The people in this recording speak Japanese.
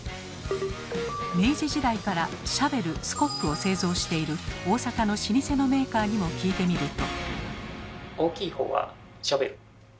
明治時代からシャベル・スコップを製造している大阪の老舗のメーカーにも聞いてみると。